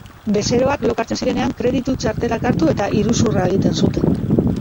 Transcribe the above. Bezeroak lokartzen zirenean, kreditu txartelak hartu eta iruzurra egiten zuten.